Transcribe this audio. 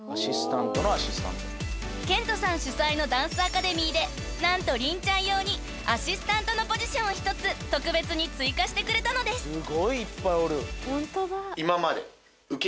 ［ケントさん主催のダンスアカデミーで何と凛ちゃん用にアシスタントのポジションを一つ特別に追加してくれたのです］